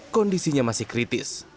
kondisinya masih kritis